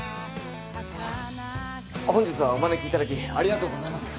本日はお招き頂きありがとうございます。